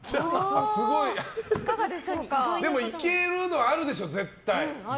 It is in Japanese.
でも、いけるのあるでしょ絶対。